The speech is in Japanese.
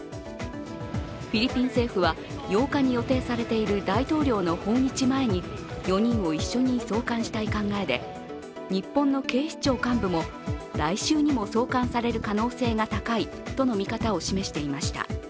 フィリピン政府は８日に予定されている大統領の訪日前に４人を一緒に送還したい考えで日本の警視庁幹部も来週にも送還される可能性が高いとの見方を示していました。